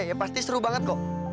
ya pasti seru banget kok